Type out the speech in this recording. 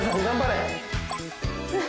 頑張れ！